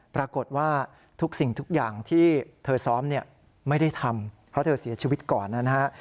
ปรากฏว่าทุกสิ่งทุกอย่างที่เธอซ้อมเนี่ยไม่ได้ทำเพราะเธอเสียชีวิตก่อนนะฮะ